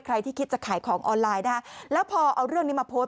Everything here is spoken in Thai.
ใครที่คิดจะขายของออนไลน์นะคะแล้วพอเอาเรื่องนี้มาโพสต์